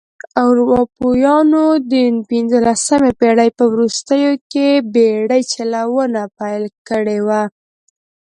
اروپایانو د پنځلسمې پېړۍ په وروستیو کې بېړۍ چلونه پیل کړې وه.